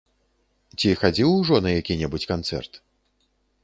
Ці хадзіў ужо на які-небудзь канцэрт?